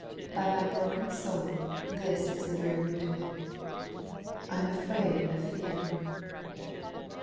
By my broken soul, this is the very root of it. I am afraid of fear."